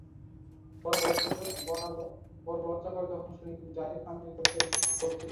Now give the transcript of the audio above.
বড় লজ্জা করে যখন শুনি যারীদ আমার গোত্রের লোক ছিল।